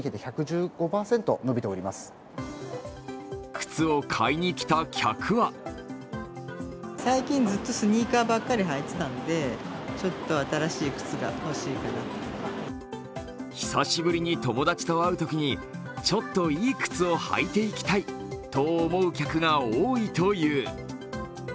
靴を買いに来た客は久しぶりに友達と会うときにちょっといい靴を履いていきたいと思う客が多いという。